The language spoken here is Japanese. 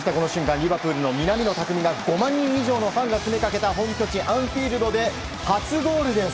リバプールの南野拓実が５万人以上のファンが詰めかけた、本拠地アンフィールドでゴールです。